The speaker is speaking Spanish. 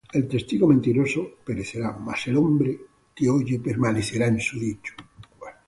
El testigo mentiroso perecerá: Mas el hombre que oye, permanecerá en su dicho.